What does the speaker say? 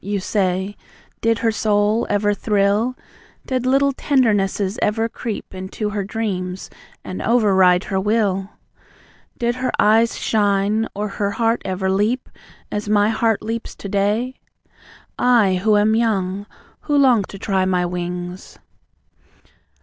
you say. "Did her soul ever thrill? Did little tendernesses ever creep Into her dreams, and over ride her will? Did her eyes shine, or her heart ever leap As my heart leaps to day? I, who am young; who long to try my wings!